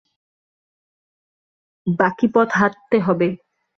বাকি পথ হাটতে হবে?